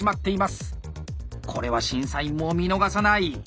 これは審査員も見逃さない！